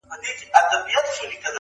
o که هر څه وږی يم، سږي نه خورم.